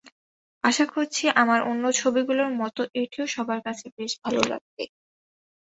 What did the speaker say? আশা করছি, আমার অন্য ছবিগুলোর মতো এটিও সবার কাছে বেশ ভালো লাগবে।